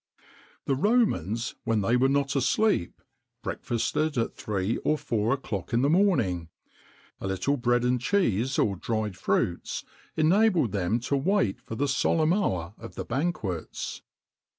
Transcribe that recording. [XXIX 37] The Romans, when they were not asleep, breakfasted at three or four o'clock in the morning.[XXIX 38] A little bread and cheese,[XXIX 39] or dry fruits,[XXIX 40] enabled them to wait for the solemn hour of the banquets.